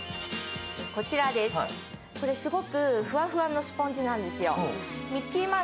こちら、すごくフワフワのスポンジなんですよ。